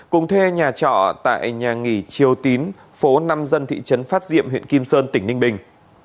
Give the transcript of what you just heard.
cùng thuê nhà trọ tại nhà nghỉ triều tín phố năm dân thị trấn phát diệm huyện kim sơn tỉnh ninh bình